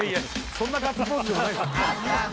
そんなガッツポーズじゃないです